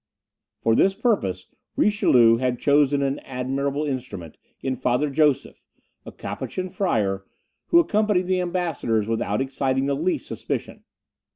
For this purpose Richelieu had chosen an admirable instrument in Father Joseph, a Capuchin friar, who accompanied the ambassadors without exciting the least suspicion.